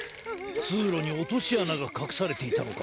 つうろにおとしあながかくされていたのか。